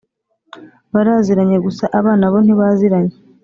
baraziranye gusa abana bo ntibaziranye